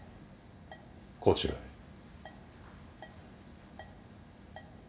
こちらへ。